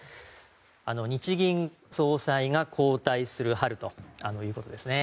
日銀総裁が交代する春？ということですね。